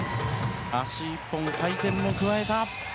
足１本、回転も加えた。